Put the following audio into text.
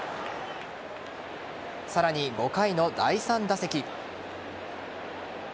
さらに５回の第３打席。